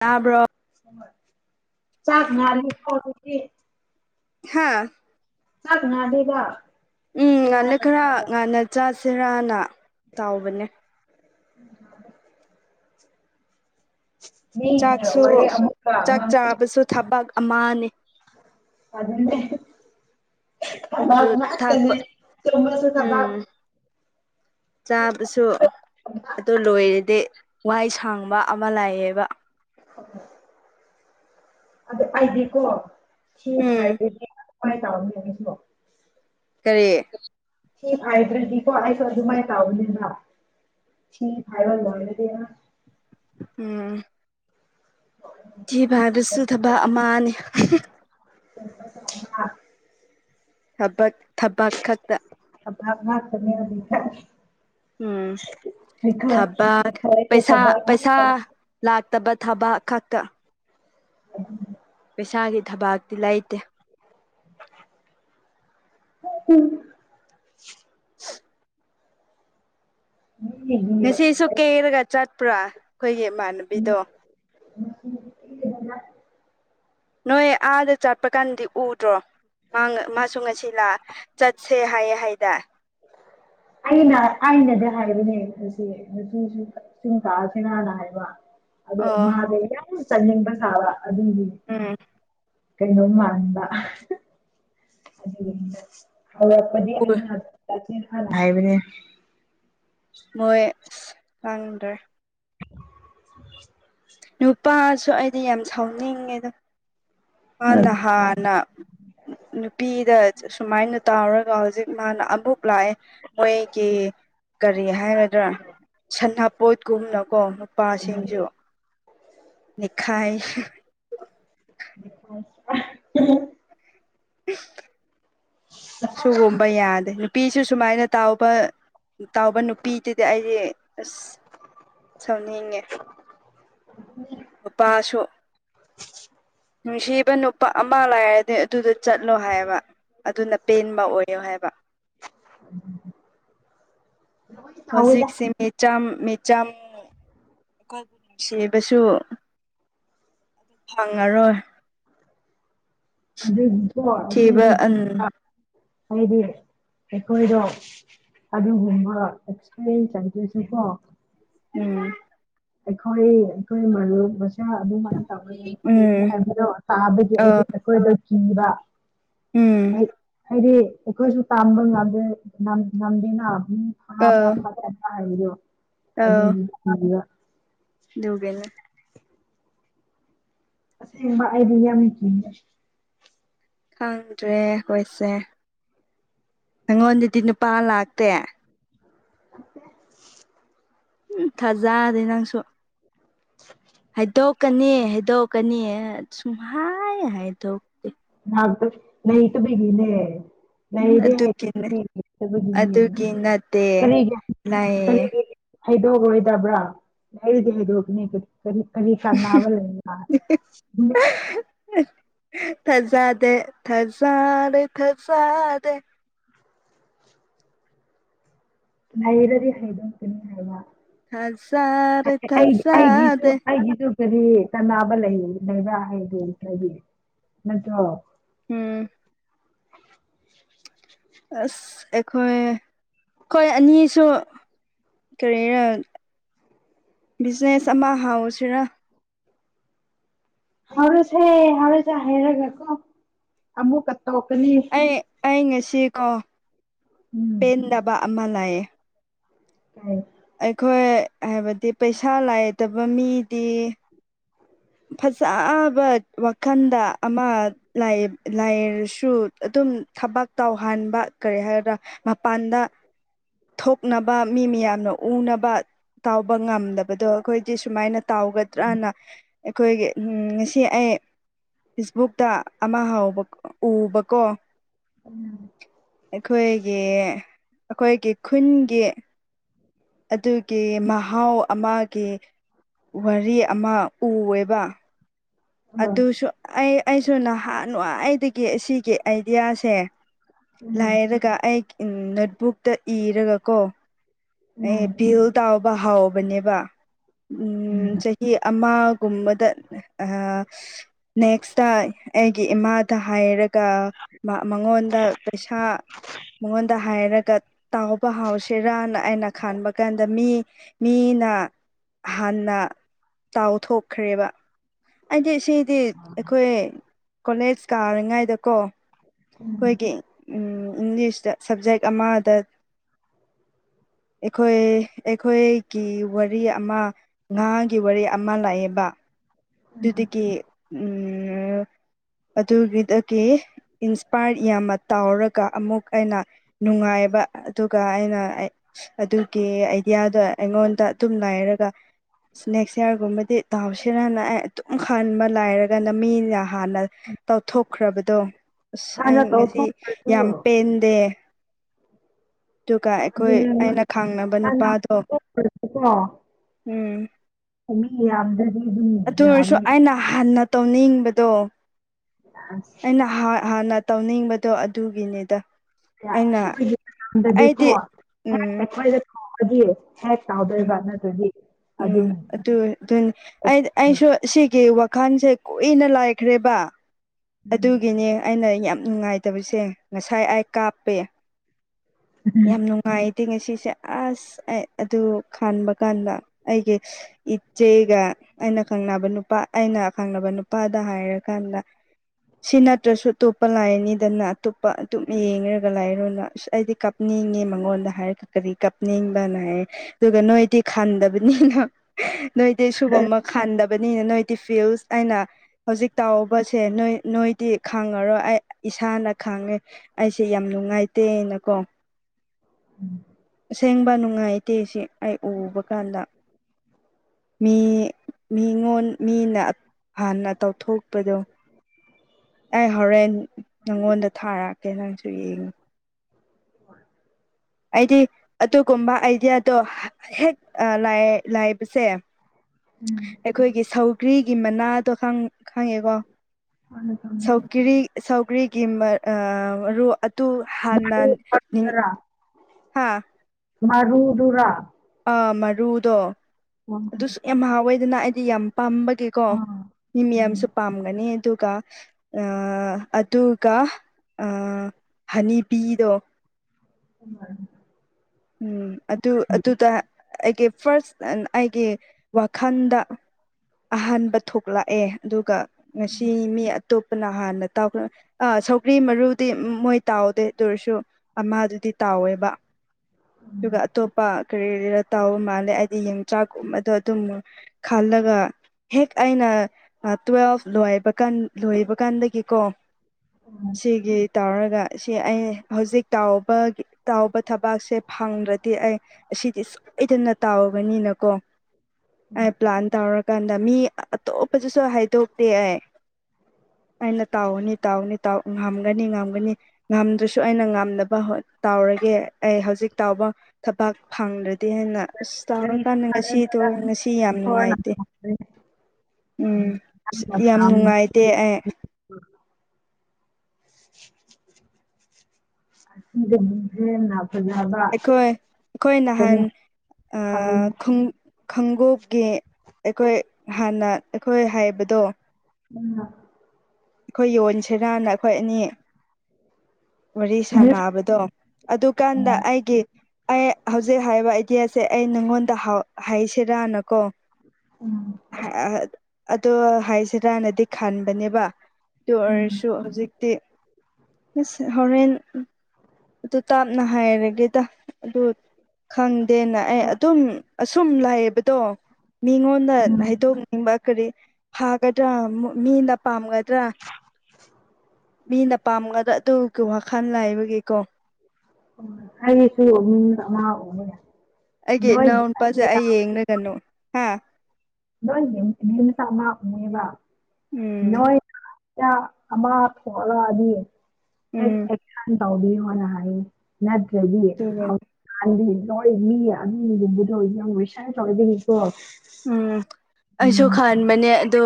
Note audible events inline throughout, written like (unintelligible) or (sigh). ꯌꯥꯥꯕ꯭ꯔꯣ ꯆꯥꯛ ꯉꯥꯂꯤ ꯅꯨꯄꯤ ꯍꯥꯥ ꯆꯀꯅꯥꯗꯦꯕ ꯎꯝ ꯉꯥꯜꯂꯦ ꯈꯔ ꯉꯥꯟꯅ ꯆꯁꯤꯔꯥꯅ ꯇꯧꯕꯅꯦ ꯎꯝ ꯆꯥꯛꯁꯨ ꯋꯥꯔꯤ ꯑꯃꯨꯛꯀ ꯆꯥꯛ ꯉꯥꯡꯅꯩ ꯆꯥꯕꯁꯨ ꯊꯕꯛ ꯑꯃꯅꯤ ꯑꯗꯨꯅꯦ ꯑꯗꯨ ꯊꯕꯛ ꯊꯥꯛꯄ ꯉꯥꯛꯇꯅꯦ ꯇꯨꯝꯕꯁꯨ ꯎꯝ ꯊꯕꯛ ꯆꯥꯕꯁꯨ ꯑꯗꯨ ꯂꯣꯏꯔꯗꯤ ꯋꯥꯍꯏ ꯁꯥꯡꯕ ꯑꯃ ꯂꯥꯛꯌꯦꯕ ꯑꯣ ꯑꯗꯨ ꯑꯩꯗꯤꯀꯣ ꯊꯤ ꯎꯝ ꯐꯥꯏꯕꯗꯤ ꯍꯅ ꯇꯥꯕ ꯌꯦꯡꯉꯁꯤꯕꯣ ꯀꯔꯤ ꯁꯤ ꯍꯥꯏꯗ꯭ꯔꯗꯤꯀꯣ ꯑꯩꯁꯨ ꯑꯗꯨꯃꯥꯏꯅ ꯇꯥꯕꯅꯤꯕꯥ ꯁꯤ ꯍꯥꯏꯥꯏꯕꯣꯟ ꯃꯗꯗꯤ ꯎꯝ ꯊꯤꯕꯥꯏꯕꯁꯨ ꯊꯕꯛ ꯑꯃꯥꯅꯤ (unintelligible) ꯊꯕꯛ ꯊꯕꯛ ꯈꯛꯇꯥ ꯑꯃꯥ (unintelligible) ꯎꯝ ꯊꯕꯛ ꯑꯩꯈꯣꯏꯁꯦ ꯄꯩꯁꯥ ꯊꯕꯛ ꯄꯩꯁꯥ ꯉꯥꯛꯇ ꯂꯥꯛꯇꯕ ꯊꯕꯛ ꯈꯛꯇ ꯎꯝ ꯄꯩꯁꯥꯒꯤ ꯊꯕꯥꯛꯇꯤ ꯂꯩꯇꯦ ꯎꯝ ꯌꯦꯡꯕꯤꯔ ꯉꯁꯤꯁꯨ ꯀꯦꯔꯒ ꯆꯠꯄ꯭ꯔꯥ ꯑꯩꯈꯣꯏꯒꯤ ꯏꯃꯥꯟꯅꯕꯤꯗꯣ (unintelligible) ꯅꯣꯏ ꯑꯥꯗ ꯆꯠꯄ ꯀꯥꯟꯗꯤ ꯎꯗ꯭ꯔꯣ ꯃꯥꯁꯨ ꯉꯁꯤ ꯂꯥ ꯆꯠꯁꯦ ꯍꯥꯏꯌꯦ ꯍꯥꯏꯗ ꯑꯩꯅ ꯑꯩꯅꯗꯤ ꯍꯥꯏꯕꯅꯦ ꯉꯁꯤ ꯉꯁꯤ ꯁꯨꯝ ꯀꯛꯑꯁꯤꯅꯅ ꯍꯥꯏꯕ ꯑꯗꯣ ꯑꯣ ꯃꯥꯗ ꯌꯥꯝ ꯆꯟꯅꯤꯡꯕ ꯁꯥꯕ ꯑꯗꯨꯒꯤꯅꯦ ꯎꯝ ꯀꯩꯅ‌ꯣꯃꯕꯥ ꯍꯧꯔꯛꯄꯥꯗꯤ ꯑꯩꯅꯅ ꯍꯥꯏꯕꯅꯦ ꯃꯣꯏ ꯈꯪꯗ꯭ꯔꯦ (inaudible) ꯅꯨꯄꯥꯁꯨ ꯑꯩꯗꯤ ꯌꯥꯝ ꯁꯥꯎꯅꯤꯡꯉꯦꯗꯥ ꯂꯣꯏ ꯃꯥꯅ ꯍꯥꯟꯅ ꯅꯨꯄꯤꯗ ꯁꯨꯃꯥꯏꯅ ꯇꯥꯎꯔꯒ ꯍꯧꯖꯤꯛ ꯃꯥꯅꯥ ꯑꯃꯨꯛ ꯂꯥꯛꯑꯦ ꯃꯣꯏꯒꯤ ꯀꯔꯤ ꯍꯥꯏ ꯍꯥꯏꯒꯗ꯭ꯔꯥ ꯁꯅꯄꯣꯠꯀꯨꯝꯅꯀꯣ ꯅꯨꯄꯥꯁꯤꯡꯁꯨ ꯂꯦꯈꯥꯏ (unintelligible) ꯁꯤꯨꯒꯨꯝꯕꯤ ꯌꯥꯗꯦ ꯅꯨꯄꯤꯁꯨ ꯁꯨꯃꯥꯏꯅ ꯇꯥꯎꯕ ꯇꯥꯎꯕ ꯅꯨꯄꯤꯗꯨꯗꯤ ꯑꯩꯗꯤ ꯑꯁ ꯁꯥꯎꯅꯤꯡꯉꯦ ꯅꯨꯄꯥꯁꯨ ꯅꯨꯡꯁꯤꯕ ꯅꯨꯄꯥ ꯑꯃ ꯂꯥꯏꯔꯗꯤ ꯑꯗꯨꯗ ꯆꯠꯂꯣ ꯍꯥꯏꯕ ꯑꯗꯨꯅ ꯄꯦꯟꯕ ꯑꯣꯏꯌꯣ ꯍꯥꯏꯕ ꯇꯧꯋꯤꯗ ꯍꯧꯖꯤꯛꯁꯤꯦꯆ ꯌꯥꯝ ꯑꯩꯈꯣꯏꯕꯨ ꯅꯨꯡꯁꯤꯕꯁꯨ ꯐꯪꯉꯔꯣꯏ ꯑꯗꯨꯒꯤꯁꯨ ꯑꯩꯈꯣꯏꯒꯤ ꯊꯤꯕ ꯑꯟ ꯍꯥꯏꯗꯤ ꯑꯩꯈꯣꯏꯗꯣ ꯑꯗꯨꯒꯨꯝꯕ ꯑꯦꯛꯁꯄꯤꯔꯤꯌꯦꯟꯁ ꯑꯗꯨꯗꯁꯨꯀꯣ ꯎꯝ ꯑꯩꯈꯣꯏ ꯑꯩꯈꯣꯏ (unintelligible) ꯑꯗꯨꯃꯥꯏꯅ ꯇꯧꯔꯦ ꯈꯣꯠꯂꯦ ꯎꯝ ꯍꯥꯏꯕꯗꯣ ꯇꯥꯕꯒꯤ ꯑꯩꯗꯣ ꯑꯥ ꯑꯩꯈꯣꯏꯗ ꯀꯤꯕ ꯎꯝ ꯍꯥꯏꯗꯤ ꯑꯩꯈꯣꯏꯁꯨ ꯇꯥꯝꯕ ꯉꯝꯗꯦꯅ ꯎꯝ ꯄ꯭ꯔꯄ ꯑꯥ ꯍꯥꯏꯣ ꯑꯗꯨꯒ ꯑꯗꯨꯒꯤꯅ‌ꯦ (inaudible) ꯑꯁ‌ꯦꯕ ꯑꯥꯏꯗꯤ ꯌꯥꯝ ꯀꯤꯌ‌ꯦ ꯈꯪꯗ꯭ꯔꯦꯁꯦ ꯑꯩꯉꯣꯟꯗꯗꯤ ꯅꯨꯄꯥ ꯂꯥꯛꯇꯦ ꯑꯦ ꯎꯝ ꯊꯥꯖꯗꯦ ꯅꯪꯁꯨ ꯍꯥꯏꯗꯣꯛ ꯀꯅꯤ ꯍꯥꯏꯗꯣꯛꯀꯅꯤ ꯁꯨꯝꯍꯥꯏ ꯍꯥꯏꯗꯣꯛꯇꯦ ꯊ ꯅꯇ ꯒꯤꯅꯦ ꯎꯝ ꯂꯩꯔꯤ ꯑꯗꯨꯒꯤꯅꯦ ꯀ ꯂꯩꯌꯦ ꯍꯩꯗꯣꯛꯑꯔꯣꯏꯗꯕ꯭ꯔꯥ ꯂꯩꯔꯗꯤ ꯍ ꯍꯥꯏꯗꯣꯛꯀꯅꯤ ꯀꯔꯤ ꯀ ꯈꯥꯅꯥꯕ ꯂꯩ ꯊꯖꯥꯗꯦ ꯊꯖꯥꯗꯦ ꯊꯖꯥꯗꯦ ꯅꯩꯔꯗꯤ ꯍꯥꯏꯩꯗꯨꯇꯅꯤ ꯍꯥꯏꯜ ꯋꯥ ꯊꯥꯖꯗꯦ ꯑꯩ ꯑꯩꯒꯤꯁꯨ ꯊꯥꯖꯗꯦ ꯑꯩꯒꯤꯁꯨ ꯀꯔꯤ ꯀꯅꯥꯕ ꯂꯩ ꯂꯩꯕ ꯍꯥꯏꯗꯣꯝꯇꯒꯤ ꯅꯠꯇ꯭ꯔꯣ ꯎꯝ (inaudible) ꯑꯁ ꯑꯩꯈꯣꯏ ꯍꯣꯏ ꯑꯅꯤꯁꯨ ꯀꯔꯤꯔ ꯕꯤꯖꯤꯅꯦꯁ ꯑꯃ ꯍꯥꯎꯁꯤꯔ ꯍꯔꯁꯦ ꯍꯔꯁ ꯍꯔꯒꯦꯀꯣꯃ ꯀ ꯑꯩ ꯑꯩ ꯉꯁꯤꯀꯣ ꯎꯝ ꯄꯦꯟꯗꯕ ꯑꯃ ꯂꯥꯛꯌꯦꯦ ꯀꯥꯏ ꯑꯩꯈꯣꯏ ꯍꯥꯏꯕꯗꯤ ꯄꯩꯁꯥ ꯂꯥꯏꯇꯕ ꯃꯤꯗꯤ ꯐꯖꯕ ꯋꯥꯈꯜꯗ ꯑꯃ ꯂꯥꯏꯔꯁꯨ ꯑꯗꯨ ꯁꯨꯝ ꯊꯕꯛ ꯇꯧꯍꯟꯥꯟꯕ ꯀꯔꯤ ꯍꯥꯏꯒꯗ꯭ꯔꯥ ꯃꯄꯥꯟꯗ ꯊꯣꯛꯅꯕ ꯃꯤ ꯃꯌꯥꯝꯅ ꯎꯅꯕ ꯇꯥꯎꯕ ꯉꯝꯗꯕꯗꯣ ꯑꯩꯈꯣꯏꯗꯤ ꯁꯨꯃꯥꯏꯅ ꯇꯥꯎꯒꯗ꯭ꯔꯅ ꯑꯩꯈꯣꯏꯒꯤ ꯉꯁꯤ ꯑꯩ ꯐꯦꯁꯕꯨꯛꯇ ꯑꯃ ꯍꯥꯎꯕ ꯎꯕꯀꯣ ꯎꯝ ꯑꯩꯈꯣꯏꯒꯤ ꯑꯩꯈꯣꯏꯒꯤ ꯈꯨꯟꯒꯤ ꯑꯗꯨꯒꯤ ꯃꯍꯥꯎ ꯑꯃꯒꯤ ꯋꯥꯔꯤ ꯑꯃ ꯎꯑꯦꯕ ꯎꯝ ꯑꯗꯨꯁꯨ ꯑꯩ ꯑꯩꯁꯨ ꯅꯍꯥꯟꯋꯥꯏꯗꯒꯤ ꯑꯁꯤꯒꯤ ꯑꯥꯏꯗꯤꯌꯥꯁꯦ ꯂꯥꯏꯔꯒ ꯑꯩ ꯅꯣꯠꯕꯨꯛꯇ ꯏꯔꯒ ꯀꯣ ꯑꯦ ꯎꯝ ꯚꯤꯜ ꯇꯥꯎꯕ ꯍꯥꯎꯕꯅꯦꯕ ꯎꯝ ꯆꯍꯤ ꯑꯃ ꯀꯨꯝꯕꯗ ꯑ ꯅꯦꯛꯁꯇ ꯑꯩꯒꯤ ꯏꯃꯥꯗ ꯍꯥꯏꯔ ꯃꯉꯣꯟꯗ ꯄꯩꯁꯥ ꯃꯉꯣꯟꯗ ꯍꯥꯏꯔꯒ ꯇꯥꯎꯕ ꯍꯥꯎꯁꯤꯔꯅ ꯑꯩꯅ ꯈꯟꯕ ꯀꯥꯟꯗ ꯃꯤ ꯃꯤꯅ ꯍꯥꯟꯟꯅ ꯇꯥꯎꯊꯣꯛꯈ꯭ꯔꯦꯕ ꯑꯩꯗꯤ ꯁꯤꯗꯤ ꯑꯩꯈꯣꯏ ꯀꯣꯂꯦꯖ ꯀꯥꯔꯤꯉꯥꯏꯗꯀꯣ ꯑꯩꯈꯣꯏꯒꯤ ꯏꯪꯂꯤꯁꯇ ꯁꯕꯖꯦꯛ ꯑꯃꯗ ꯑꯩꯈꯣꯏ ꯑꯩꯈꯣꯏꯒꯤ ꯋꯥꯔꯤ ꯑꯃ ꯉꯍꯥꯒꯤ ꯋꯥꯔꯤ ꯑꯃ ꯂꯥꯛꯑꯦꯕ ꯑꯗꯨꯗꯨꯗꯒꯤ ꯎ ꯑꯗꯨꯒꯤꯗꯒꯤ ꯏꯟꯁꯄꯔ ꯌꯥꯝꯅ ꯇꯥꯎꯔꯒ ꯑꯃꯨꯛ ꯑꯩꯅ ꯅꯨꯡꯉꯥꯏ ꯍꯥꯏꯕ ꯑꯗꯨꯒ ꯑꯩꯅ ꯑꯗꯨꯒꯤ ꯑꯥꯏꯗꯤꯌꯥꯗꯣ ꯑꯩꯉꯣꯟꯗ ꯑꯗꯨꯝ ꯉꯥꯏꯔꯒ ꯅꯦꯛꯁ ꯏꯌꯥꯔꯒꯨꯝꯕꯗꯤ ꯇꯥꯎꯁꯤꯔꯅ ꯑꯦ ꯑꯗꯨꯨꯝ ꯍꯟꯕ ꯂꯥꯏꯔꯒꯅ ꯃꯤꯅ ꯍꯥꯟꯅ ꯇꯧꯊꯣꯛꯈ꯭ꯔꯕꯗꯣ ꯑꯁ ꯑꯩ ꯍꯥꯟꯅ ꯉꯁꯤ ꯇꯧꯊꯣꯛꯈ꯭ꯔꯁꯨ ꯌꯥꯝ ꯄꯦꯟꯗꯦ ꯑꯗꯨꯒ ꯑꯩꯈꯣꯏ ꯑꯗꯨꯅꯦ ꯑꯩꯅ ꯈꯥꯡꯅꯕ ꯍꯥꯟꯅ ꯅꯨꯄꯥꯗꯣ ꯇꯧꯊꯣꯛꯈ꯭ꯔꯁꯨꯀꯣ ꯎꯝ ꯃꯤ ꯌꯥꯝꯗ꯭ꯔꯗꯤ ꯑꯗꯨꯝ ꯑꯗꯨ ꯑꯣꯏꯁꯨ ꯌꯥꯝꯃꯦ ꯑ ꯅꯍꯥꯟꯅ ꯇꯧꯅꯤꯡꯕꯗꯣ ꯑꯁ ꯑꯩꯅ ꯍꯥꯟꯅ ꯇꯧꯅꯤꯡꯕꯗꯣ ꯑꯗꯨꯒꯤꯅꯤꯗ ꯑꯩꯅ ꯑꯩꯗꯤ ꯣꯏꯗꯣ ꯎꯝ ꯍꯋꯥꯣꯏꯦ ꯍ ꯎꯝ ꯇꯥꯎꯗꯦꯕꯕꯥꯅꯔꯤ ꯎꯝ ꯑꯗꯨ ꯑꯗꯨꯅꯤ ꯑꯁꯨ ꯁꯤꯒꯤ ꯋꯥ ꯜꯁꯦ ꯀꯨꯏꯅ ꯂꯥꯏꯈ꯭ꯔꯦꯕ ꯑꯗꯨꯒꯤꯅꯦ ꯑꯩꯅ ꯌꯥꯝ ꯅꯨꯡꯉꯥꯏꯇꯕꯁꯦ ꯉꯁꯥꯏ ꯑꯩ ꯀꯥꯞꯄꯦ ꯌꯥꯝ ꯅꯨꯡꯉꯥꯏ ꯤ ꯉꯁꯤꯁꯦ ꯑꯁ ꯑꯗꯨ ꯈꯥꯟꯕ ꯀꯥꯟꯗ ꯑꯩꯒꯤ ꯏꯆꯦꯒ ꯑꯩꯅ ꯈꯪꯅꯕ ꯅꯨꯄꯥ ꯑꯩꯅ ꯈꯪꯅꯕ ꯅꯨꯄꯥꯗ ꯍꯥꯏꯔꯀꯥꯟꯗ ꯁꯤ ꯅꯠꯇ꯭ꯔꯁꯨ ꯑꯇꯣꯞꯄ ꯂꯥꯏꯅꯤꯗꯅ ꯑꯇꯣꯞꯄ ꯑꯇꯨꯞꯞꯅ ꯌꯦꯡꯒ ꯂꯥꯏꯔꯣꯅ ꯑꯁ ꯑꯩꯗꯤ ꯀꯥꯞꯅꯤꯡ ꯀꯞꯅꯤꯡꯉꯦ ꯃꯉꯣꯟꯗ ꯍꯥꯏꯔꯒ ꯀꯔꯤ ꯀꯥꯞꯅꯤꯡꯕꯅ ꯑꯗꯨꯒ ꯅꯣꯏꯗꯤ ꯈꯥꯟꯗꯕꯅꯤꯅ ꯅꯣꯏꯗꯤ ꯁꯤꯨꯒꯨꯝꯕ ꯈꯥꯟꯗꯕ ꯕꯅꯤꯅ ꯅꯣꯏ ꯇꯤꯐꯜꯁ ꯑꯅ ꯍꯧꯖꯤꯛ ꯇꯥꯎꯕꯁꯦ ꯅꯣꯏ ꯅꯣꯏꯗꯤ ꯈꯪꯉꯔꯣꯏ ꯑꯩ ꯏꯁꯥꯅ ꯈꯪꯉꯦ ꯑꯩꯁꯦ ꯌꯥꯝ ꯅꯨꯡꯉꯥꯏꯇꯦꯅꯀꯣ ꯎꯝ ꯑꯁꯦꯡꯕ ꯅꯨꯡꯉꯥꯏꯇꯦ ꯁꯤ ꯑꯩ ꯎꯕ ꯀꯥꯟꯗ ꯃꯤ ꯃꯤꯉꯣꯟ ꯃꯤꯅ ꯐꯅ ꯇꯧꯊꯣꯛ ꯗꯣ ꯑꯩ ꯍꯣꯔꯦꯟꯦꯟ ꯅꯪꯉꯣꯟꯗ ꯊꯥꯔꯛꯑꯀꯦ ꯅꯪꯁꯨ ꯌꯦꯡꯉꯨ ꯋꯥ ꯍꯥꯏꯗꯤ ꯑꯗꯨꯒꯨꯝꯕ ꯑꯥꯏꯗꯤꯌꯥꯗꯣ ꯍꯦꯛ ꯂꯥꯏꯕꯁꯦ ꯑꯩꯈꯣꯏꯒꯤ ꯁꯧꯒ꯭ꯔꯤꯒꯤ ꯃꯅꯥꯗꯣ ꯈꯪꯉꯦꯀꯣ ꯁꯧꯒꯔꯤ ꯁꯧꯒ꯭ꯔꯤ ꯔꯣ ꯑꯗꯨ ꯍꯥꯟꯅ ꯅꯤꯡ ꯍꯥ ꯃꯔꯨꯗꯨꯔꯥ ꯑ ꯃꯔꯨꯗꯣ ꯑꯗꯨꯁꯨ ꯌꯥꯝ ꯍꯥꯎꯋꯦꯗꯅ ꯑꯩꯗꯤ ꯌꯥꯝ ꯄꯥꯝꯕꯒꯤꯀꯣ ꯑꯥ ꯃꯤ ꯃꯌꯥꯝꯁꯨ ꯎꯝ ꯄꯥꯝꯒꯅꯤ ꯑꯗꯨ ꯀ ꯑ ꯑꯗꯨ ꯀ ꯑ ꯍꯅꯤ ꯄꯗꯣ ꯎ ꯎꯝ ꯑꯗꯨ ꯑꯗꯨꯗ ꯑꯩꯒꯤ ꯐꯥꯔꯁ ꯑꯩꯒꯤ ꯋꯥꯈꯜꯗ ꯑꯍꯥꯟꯕ ꯊꯣꯛꯂꯛꯑꯦ ꯑꯗꯨꯒ ꯉꯁꯤ ꯃꯤ ꯑꯇꯣꯞꯄꯅ ꯍꯥꯟꯅ ꯇꯥꯎꯈ꯭ꯔ ꯑ ꯁꯧꯒ꯭ꯔꯤ ꯃꯔꯨꯗꯤ ꯃꯣꯏ ꯇꯥꯎꯗꯦ ꯑꯗꯨꯔꯁꯨ ꯑꯃꯗꯨꯗꯤ ꯇꯥꯎꯋꯦꯕ ꯑꯗꯨꯒ ꯑꯇꯣꯞꯄ ꯀꯔꯤ ꯇꯥꯎꯕ ꯃꯥꯜꯂꯦ ꯍꯥꯏꯗꯤ ꯌꯦꯟꯆꯥꯛꯒꯨꯝꯕ ꯑꯗꯣ ꯑꯗꯨꯝ ꯈꯜꯂꯒ ꯍꯦꯛ ꯑꯩꯅ ꯇꯨꯋꯦꯜꯐ ꯂꯣꯏꯕ ꯀꯥꯟ ꯂꯣꯏꯕ ꯀꯥꯟꯗꯒꯤꯀꯣ ꯁꯤꯒꯤ ꯇꯧꯔꯒ ꯁꯤ ꯑꯩ ꯍꯧꯖꯤꯛ ꯇꯥꯎꯕꯒꯤ ꯇꯥꯎꯕ ꯊꯕꯛ ꯕꯥꯛꯁꯦ ꯐꯪꯗ꯭ꯔꯗꯤ ꯑꯩ ꯑꯁꯤꯗꯤ ꯁꯣꯏꯗꯅ ꯇꯥꯎꯕꯅꯤꯅꯀꯣ ꯑꯦ ꯄ꯭ꯂꯥꯟ ꯇꯧꯔꯀꯥꯟꯗ ꯃꯤ ꯑꯇꯣꯞꯄꯗꯨꯁꯨ ꯍꯥꯏꯗꯣꯛꯇꯦ ꯑꯩ (inaudible) ꯑꯩꯅ ꯇꯥꯎꯒꯅꯤ ꯇꯥꯎꯅꯤꯥꯎ ꯉꯝꯒꯅꯤ ꯉꯝꯒꯅꯤ ꯉꯝꯗ꯭ꯔꯁꯨ ꯑꯩꯅ ꯉꯥꯝꯅꯕ ꯇꯥꯎꯔꯒꯦ ꯑꯩ ꯍꯧꯖꯤꯛ ꯇꯥꯎꯕ ꯊꯕꯛ ꯐꯪꯂ ꯇꯦꯟꯅ ꯑꯁ ꯀꯔꯤꯁꯨ ꯇꯧꯔꯀꯥꯟꯗ ꯉꯁꯤꯗꯣ ꯈꯜꯂꯨꯅꯨꯗ ꯉꯁꯤ ꯌꯥꯝ ꯏꯁꯣꯔꯅ ꯅꯨꯡꯉꯥꯏꯇꯦ ꯎꯝ ꯅꯪꯅ ꯌꯥꯝ ꯄꯥꯝ ꯅꯨꯡꯉꯥꯏꯇꯦ ꯑꯩ (unintelligible) ꯑꯩꯈꯣꯏ ꯑꯩꯈꯣꯏ ꯅꯍꯥꯟ ꯑ ꯈꯜꯂꯨꯅꯨ (unintelligible) ꯈꯣꯡꯎꯞꯀꯤ ꯑꯩꯈꯣꯏ ꯍꯥꯟꯅ ꯑꯩꯈꯣꯏ ꯍꯥꯏꯕꯗꯣ ꯎꯝ ꯑꯩꯈꯣꯏ ꯌꯣꯟꯁꯤꯔꯥꯅ ꯑꯩꯈꯣꯏ ꯑꯅꯤ ꯋꯥꯔꯤ ꯁꯥꯟꯅꯕꯗꯣ ꯑꯗꯨꯀꯥꯟꯗ ꯑꯩꯒꯤ ꯑꯩ ꯍꯧꯖꯤꯛ ꯍꯥꯏꯔꯤꯕ ꯑꯥꯏꯗꯤꯌꯥꯁꯦ ꯑꯩ ꯅꯪꯉꯣꯟꯗ ꯍꯥꯏꯁꯤꯔꯥꯅꯀꯣ ꯎꯝ ꯑꯗꯣ ꯍꯥꯏꯁꯤꯔꯥꯅꯗꯤ ꯈꯟꯕꯅꯦꯕ ꯑꯗꯨ ꯎꯝ ꯑꯣꯏꯔꯁꯨ ꯍꯧꯖꯤꯛꯇꯤ ꯍꯣꯔꯦꯟ ꯑꯗꯨ ꯇꯥꯞꯅ ꯍꯥꯏꯔꯒꯦꯗ ꯑꯗꯨ ꯈꯪꯗꯦꯅ ꯑꯩ ꯍꯣꯏ ꯑꯗꯨꯝ ꯑꯁꯨꯝ ꯂꯥꯛꯌꯦꯕꯗꯣ ꯃꯤꯉꯣꯟꯗ ꯎꯝ ꯍꯥꯏꯗꯣꯛꯅꯤꯡꯕ ꯀꯔꯤ ꯍꯥꯏꯗ꯭ꯔꯥ ꯃꯤꯟ ꯄꯝꯒꯗ꯭ꯔ ꯃꯤꯅ ꯄꯥꯝꯒꯗ꯭ꯔ ꯑꯗꯨꯒꯤ ꯋꯥꯈꯜ ꯂ ꯍꯥꯏꯕꯒꯤꯀꯣ ꯑꯩꯁꯨ ꯃꯤ ꯑꯃ ꯑꯣꯏꯕ ꯑꯩꯒꯤ ꯏꯅꯥꯎꯅꯨꯄꯥꯁꯦ ꯑꯩ ꯌꯦꯡꯅꯒꯅꯨ ꯍꯥ ꯅ ꯅꯅꯤꯝ ꯁ ꯃꯥꯅꯦꯕ ꯎꯝ ꯅ ꯑꯥ ꯐꯅ ꯑꯗꯤ ꯍ ꯎꯝ ꯧ ꯋꯥꯅ ꯅꯠꯇ ꯑꯗꯨꯒ ꯂ ꯃꯤ ꯑꯗꯨꯝꯨꯝꯕꯨꯗ ꯑꯣꯏꯗꯤꯣꯏꯁꯥꯏ ꯇꯧꯔꯗꯤꯀꯣ ꯎꯝ ꯑꯩꯁꯨ ꯈꯟꯕꯅꯦ ꯑꯗꯣ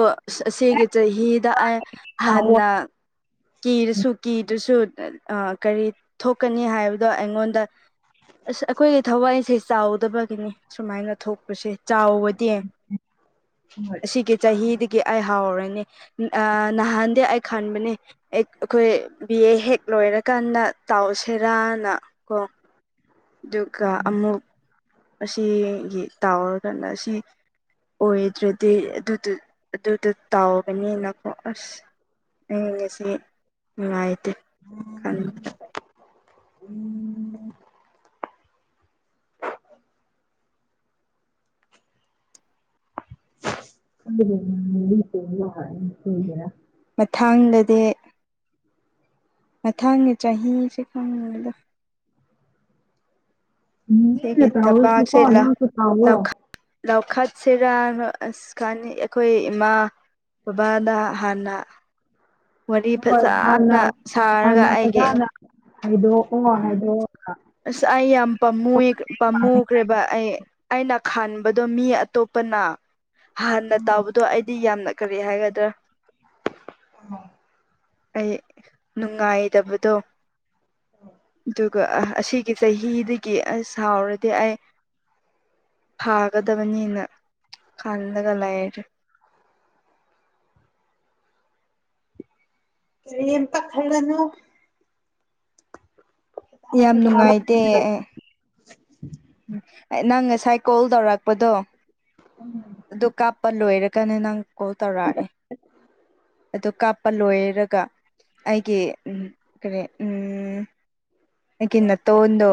ꯑꯁꯤꯒꯤꯒꯤ ꯆꯍꯤꯗ ꯑꯩ ꯍꯥꯟꯅ ꯀꯤꯔꯁꯨ ꯀꯤꯗ꯭ꯔꯁꯨ ꯀꯔꯤ ꯊꯣꯛꯀꯅꯤ ꯍꯥꯏꯕꯗꯣ ꯑꯩꯉꯣꯟꯗ ꯑꯁ ꯑꯩꯈꯣꯏꯒꯤ ꯊꯋꯥꯏꯁꯦ ꯆꯥꯎꯗꯕꯒꯤꯅꯤ ꯁꯨꯃꯥꯏꯅ ꯊꯣꯛꯄꯁꯦ ꯆꯥꯎꯕꯗꯤ ꯑꯁꯤꯒꯤ ꯆꯍꯤꯗꯒꯤ ꯑꯩ ꯍꯥꯎꯔꯅꯤ ꯍꯥꯟꯗꯦ ꯑꯩ ꯈꯟꯕꯅꯦ ꯑꯩꯈꯣꯏ ꯕꯤ ꯑꯦ ꯍꯦꯛ ꯂꯣꯏꯔꯀꯥꯟꯗ ꯇꯧꯁꯤꯔꯅ ꯀꯣ ꯌꯒꯥ ꯑꯃꯃꯨꯛ ꯑꯁꯤꯒꯤ ꯇꯥꯋꯔꯒꯅ ꯑꯁꯤ ꯑꯣꯏꯗ꯭ꯔꯗꯤ ꯑꯗꯨ ꯑꯗꯨꯗꯣ ꯇꯥꯎꯕꯅꯤꯅꯀꯣ ꯑꯁ ꯑꯩꯁꯤ ꯅꯨꯡꯉꯥꯏꯇꯦ ꯈꯟꯕꯗ ꯎꯝ ꯑꯗꯨꯒꯔ ꯃꯊꯥꯡꯂꯗꯤ ꯃꯊꯪꯉꯦ ꯆꯍꯤꯁꯦ ꯈꯪꯉꯗ ꯃꯤꯅ ꯇꯧꯔꯁꯨꯀꯣ ꯁꯤꯦꯡꯒꯤꯠꯇꯕꯁꯤꯦꯂ ꯅꯪꯁꯨ ꯇꯧꯋꯣ ꯂꯈꯠꯁꯤꯦꯔ ꯑ ꯀ ꯑꯩꯈꯣꯏ ꯏꯃꯥ ꯕꯕꯥꯗ ꯍꯥꯟꯅ ꯋꯥꯔꯤ ꯍꯣꯏ ꯐꯖꯅ ꯍꯥꯟꯅ ꯁꯥꯔꯒ ꯑꯩꯒꯤ ꯍꯥꯏꯗꯣ ꯑꯣ ꯍꯥꯏꯗꯣ ꯑꯁ ꯑꯩ ꯌꯥꯝ ꯄꯥꯝꯃꯨ ꯄꯥꯝꯃꯨꯈ꯭ꯔꯦꯕ ꯑꯩ ꯈꯟꯕꯗꯣ ꯃꯤ ꯑꯇꯣꯞꯄꯅ ꯍꯥꯟꯅ ꯇꯥꯎꯕꯗꯣ ꯑꯩꯗꯤ ꯌꯥꯝꯅ ꯀꯔꯤ ꯍꯥꯏꯒꯗ꯭ꯔꯥ ꯑꯣ ꯑꯩ ꯅꯨꯡꯉꯥꯏꯇꯕꯗꯣ ꯑꯗꯨꯒ ꯑꯁꯤꯒꯤ ꯆꯍꯤꯗꯒꯤ ꯑ ꯁꯥꯎꯔꯗꯤ ꯑꯩ ꯊꯥꯒꯗꯕꯅꯤꯅ ꯈꯜꯂꯒ ꯂꯩꯔꯦ ꯌꯦꯟ ꯄ ꯈꯔꯅ ꯌꯥꯝ ꯐꯖꯕ ꯅꯨꯡꯉꯥꯏꯇꯦ ꯎ ꯅꯪ ꯉꯁꯥꯏ ꯀꯣꯜ ꯇꯧꯔꯛꯄꯗꯣ ꯑꯗꯨ ꯀꯥꯞꯄ ꯂꯣꯏꯔꯦ ꯀꯅꯤ ꯅꯪ ꯀꯣꯜ ꯇꯧꯔꯛꯑꯦ ꯑꯣ ꯀ ꯄꯜꯂꯣꯏꯔꯒ ꯑꯩꯒꯤ ꯀꯔꯤ ꯎ ꯑꯩꯒꯤ ꯅ ꯇꯣꯗꯣ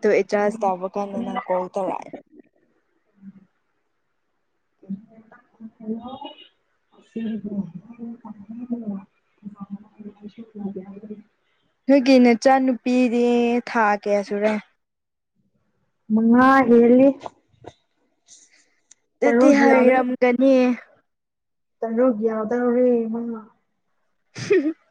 ꯇꯣ ꯏꯆꯥꯔꯖ ꯇꯥꯕ ꯀꯥꯟꯗ ꯅꯪ ꯀꯣꯜ ꯇꯧꯔꯛꯑꯦ (inaudible) ꯍꯂꯣ (inaudible) ꯅꯣꯏꯒꯤ ꯅꯆꯥꯅꯨꯄꯤꯗꯤ ꯊꯥ ꯀꯌꯥ ꯁꯨꯔꯦ ꯃꯉꯥ ꯍꯂꯤ ꯑꯗꯨꯗꯤ ꯍꯥꯏꯩꯔꯝꯒꯅꯤ ꯁꯔꯨꯛ ꯌꯥ ꯗꯧꯔꯦꯔꯦ ꯏꯃꯃꯥ (unintelligible)